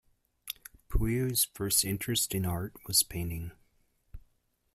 Puiu's first interest in art was painting.